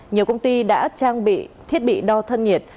nhiều công ty đã trang bị thiết bị đo thân nhiệt